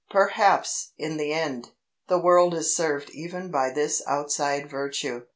Perhaps, in the end, the world is served even by this outside virtue.